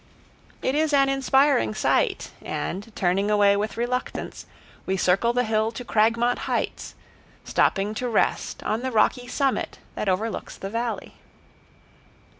It is an inspiring sight, and, turning away with reluctance, we circle the hill to Cragmont Heights, stopping to rest on the rocky summit that overlooks the valley.